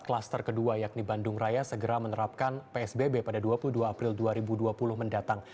klaster kedua yakni bandung raya segera menerapkan psbb pada dua puluh dua april dua ribu dua puluh mendatang